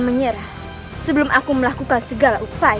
menyerah sebelum aku melakukan segala upaya